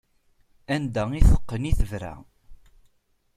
Anda teqqen i tebra.